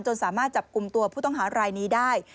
สามารถจับกลุ่มตัวผู้ต้องหารายนี้ได้